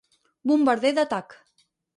Bombarder d'Atac.